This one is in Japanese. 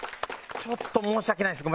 ちょっと申し訳ないです。